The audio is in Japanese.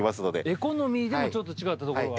エコノミーでもちょっと違ったところが。